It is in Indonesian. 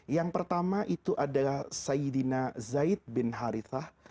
yang pertama itu adalah sayyidina zaid bin harithah